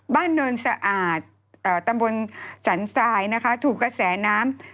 เนินสะอาดตำบลสันทรายนะคะถูกกระแสน้ำ